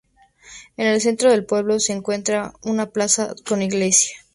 En el centro del pueblo se encuentra una plaza con iglesia.